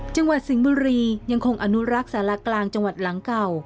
จังหวัดสิงห์บุรียังคงอนุรักษ์สารากลางจังหวัดหลังเก่า